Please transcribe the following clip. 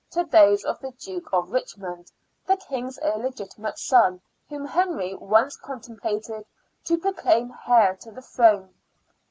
to those of the Duke of Richmond, the King's illegitimate son, whom Henry once contemplated to proclaim heir to the throne.